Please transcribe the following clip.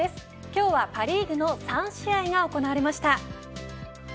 今日はパ・リーグの３試合が行われました。